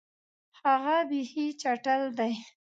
هغه بیخي چټل دی.